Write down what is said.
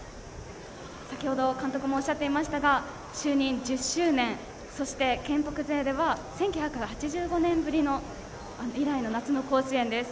先ほど監督もおっしゃっていましたが就任１０周年そして、県北勢では１９８５年以来の夏の甲子園です。